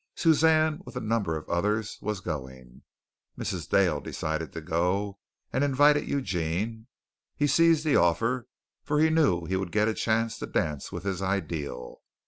Suzanne with a number of others was going. Mrs. Dale decided to go, and invited Eugene. He seized the offer, for he knew he would get a chance to dance with his ideal.